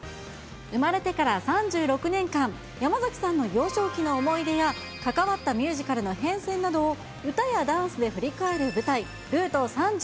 生まれてから３６年間、山崎さんの幼少期の思い出や、関わったミュージカルの変遷などを歌やダンスで振り返る舞台、ＲＯＵＴＥ３６。